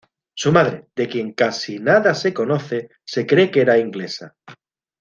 Su madre, de quien casi nada se conoce, se cree que era inglesa.